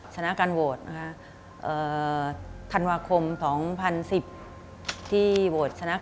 ชนะการโหวตนะคะธันวาคม๒๐๑๐ที่โหวตชนะ